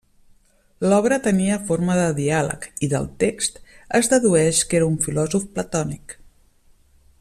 L'obra tenia forma de diàleg i del text es dedueix que era un filòsof platònic.